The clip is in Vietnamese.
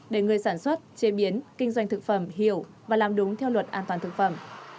để người sản xuất chế biến kinh doanh thực phẩm hiểu và làm đúng theo luật an toàn thực phẩm